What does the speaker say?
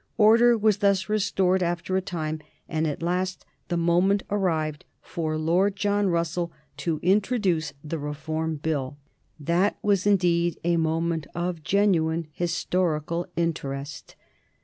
Order was thus restored after a time, and at last the moment arrived for Lord John Russell to introduce the Reform Bill. That was indeed a moment of genuine historical interest.